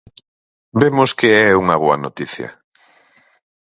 Vemos que é unha boa noticia.